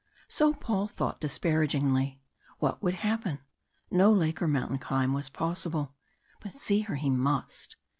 So Paul thought despairingly. What would happen? No lake, or mountain climb, was possible but see her he must.